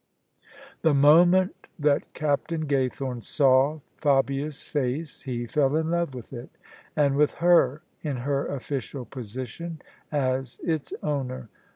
The moment that Captain Gaythorne saw Fabia's face he fell in love with it, and with her in her official position as its owner.